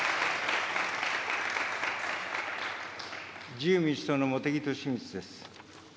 自由民主党の茂木敏充です。